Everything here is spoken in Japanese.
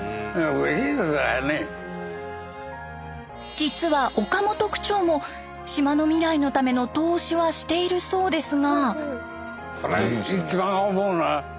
実は岡本区長も島の未来のための投資はしているそうですが。